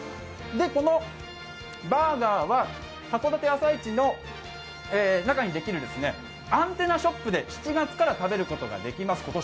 このバーガーは函館朝市の中にできるアンテナショップで今年も７月から食べることができます。